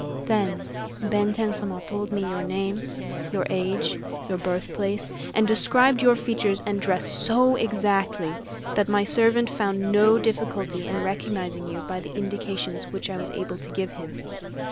Then Benten Sama told me your name, your age, your birthplace, and described your features and dress so exactly that my servant found no difficulty in recognizing you by the indications which I was able to give him."